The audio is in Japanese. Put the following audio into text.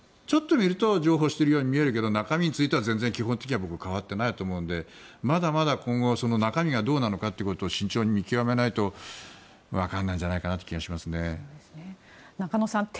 ちょっと見ると譲歩していると思うんだけども中身については全然基本的には僕は変わってないと思うのでまだまだ今後中身がどうなのかということを今後、慎重に見極めないと分からないんじゃないかなという気がしますね。